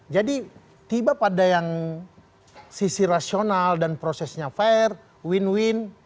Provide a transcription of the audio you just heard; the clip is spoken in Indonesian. jadi tiba pada yang sisi rasional dan prosesnya fair win win